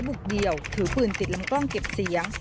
บุกเดี่ยวถือปืนติดลำกล้องเก็บเสียง